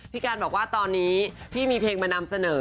การบอกว่าตอนนี้พี่มีเพลงมานำเสนอ